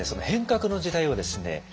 変革の時代をですね